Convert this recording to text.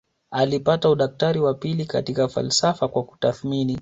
Alipata udaktari wa pili katika falsafa kwa kutathmini